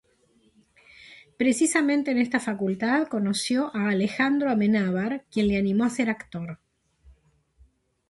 Precisamente en esta facultad conoció a Alejandro Amenábar, quien le animó a ser actor.